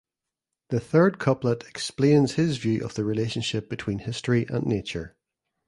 The third couplet explains his view of the relationship between history and nature.